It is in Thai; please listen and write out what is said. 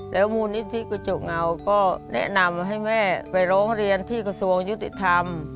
มูลนิธิกระจกเงาก็แนะนำให้แม่ไปร้องเรียนที่กระทรวงยุติธรรม